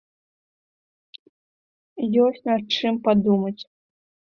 Ёсць над чым падумаць.